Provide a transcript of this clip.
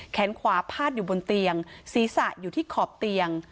ขวาพาดอยู่บนเตียงศีรษะอยู่ที่ขอบเตียง